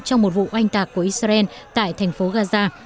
trong một vụ oanh tạc của israel tại thành phố gaza